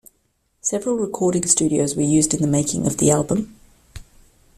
Several recording studios were used in the making of the album.